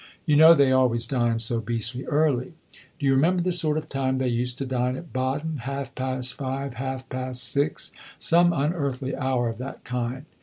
You know they always dine so beastly early. Do you remember the sort of time they used to dine at Baden? half past five, half past six; some unearthly hour of that kind.